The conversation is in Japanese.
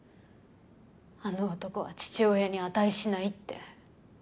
あの男は父親に値しないって。